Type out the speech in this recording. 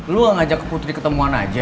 lu gak ngajak ke putri ketemuan aja